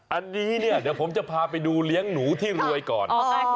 อันนี้เนี่ยเดี๋ยวผมจะพาไปดูเลี้ยงหนูที่รวยก่อน